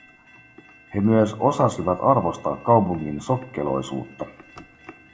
He myös osasivat arvostaa kaupungin sokkeloisuutta.